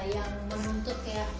jadi doanya aku memiliki kode yang